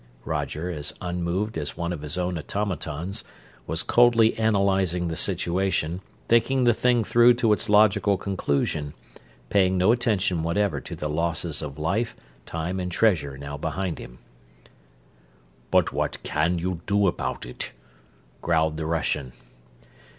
Roger, as unmoved as one of his own automatons, was coldly analyzing the situation, thinking the thing through to its logical conclusion, paying no attention whatever to the losses of life, time and treasure now behind him. "But what can you do about it?" growled the Russian.